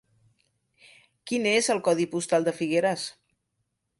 Quin és el codi postal de Figueres?